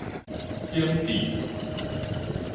景緻